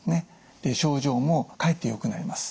で症状もかえってよくなります。